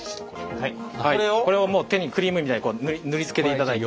これを手にクリームみたいに塗りつけていただいて。